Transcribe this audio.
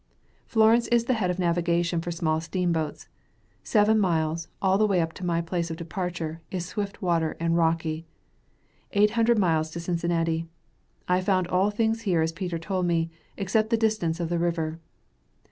Florence is the head of navigation for small steamboats. Seven miles, all the way up to my place of departure, is swift water, and rocky. Eight hundred miles to Cincinnati. I found all things here as Peter told me, except the distance of the river.